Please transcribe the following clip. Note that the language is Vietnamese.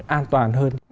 an toàn hơn